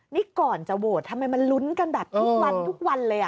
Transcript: นี่ก่อนจะโหวตทำไมมันลุ้นกันแบบทุกวันทุกวันเลย